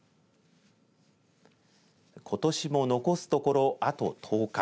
ことしも残すところあと１０日。